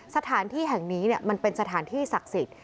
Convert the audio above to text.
สถานที่แห่งนี้มันเป็นสถานที่ศักดิ์สิทธิ์